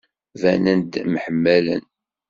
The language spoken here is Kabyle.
Banen-d mḥemmalen.